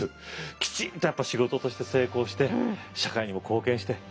きちんとやっぱ仕事として成功して社会にも貢献して。